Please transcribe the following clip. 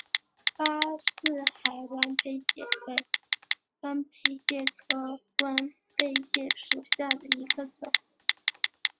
巴士海弯贝介为弯贝介科弯贝介属下的一个种。